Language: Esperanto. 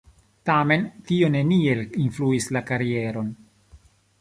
Tamen tio neniel influis la karieron.